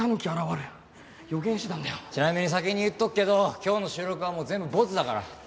ちなみに先に言っとくけど今日の収録はもう全部ボツだから。